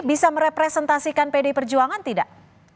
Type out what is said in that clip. jadi bisa merepresentasikan pdi perjuangan tidak